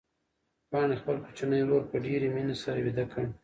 پاڼې خپل کوچنی ورور په ډېرې مینې سره ویده کړ.